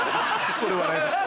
これ笑います。